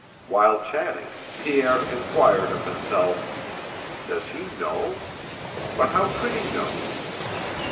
While chatting Pierre inquired of himself: "Does he know? But how could he know?"